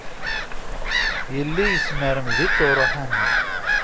Yelli yesmermed-itt uṛuḥani.